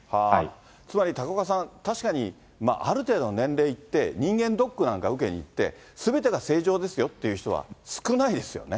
つまり、高岡さん、確かにある程度年齢いって、人間ドックなんか受けに行って、すべてが正常ですよって人は、少ないですよね。